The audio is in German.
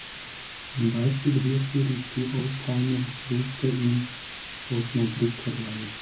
Ein Beispiel hierfür ist die „Oldtimer-Route“ im Osnabrücker Land.